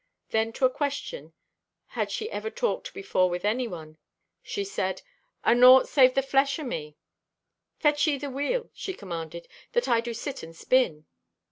Then to a question had she ever talked before with anyone, she said: "Anaught save the flesh o' me." "Fetch ye the wheel," she commanded, "that I do sit and spin."